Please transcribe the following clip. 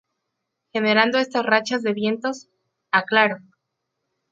generando estas rachas de vientos. ah, claro.